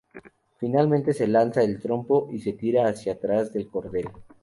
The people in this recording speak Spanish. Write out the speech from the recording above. Finalmente se lanza el trompo y se tira hacia atrás del cordel.